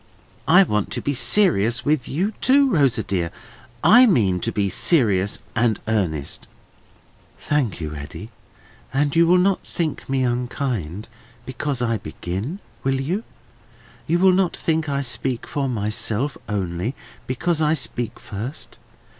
"I want to be serious with you too, Rosa dear. I mean to be serious and earnest." "Thank you, Eddy. And you will not think me unkind because I begin, will you? You will not think I speak for myself only, because I speak first?